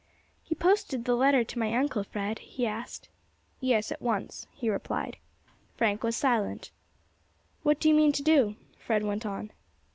"You posted the letter to my uncle, Fred?" he asked. "Yes, at once," he replied. Frank was silent. "What do you mean to do?" Fred went on.